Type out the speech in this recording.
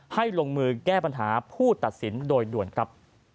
ลงมือแก้ปัญหาผู้ตัดสินโดยด่วนครับ